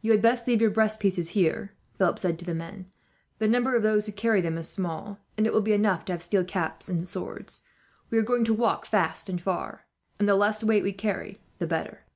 "You had best leave your breast pieces here," Philip said to the men. "The number of those who carry them is small, and it will be enough to have steel caps and swords. We are going to walk fast and far, and the less weight we carry, the better."